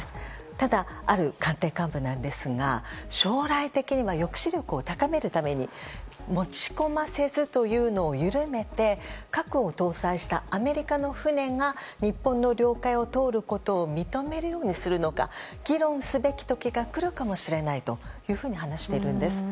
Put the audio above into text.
ただある官邸幹部ですが将来的には抑止力を高めるために「持ち込ませず」というのを緩めて核を搭載したアメリカの船が日本の領海を通ることを認めるようにするのか議論すべき時が来るかもしれないと話しているんです。